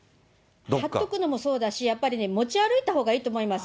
はっとくのもそうだし、やっぱり持ち歩いたほうがいいと思います。